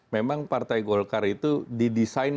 memang partai golkar itu didesain